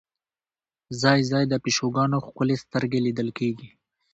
ځای ځای د پیشوګانو ښکلې سترګې لیدل کېږي.